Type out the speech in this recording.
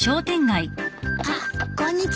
あっこんにちは。